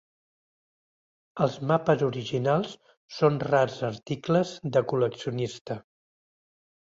Els mapes originals són rars articles de col·leccionista.